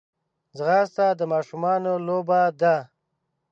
ځغاسته د ماشومانو لوبه ده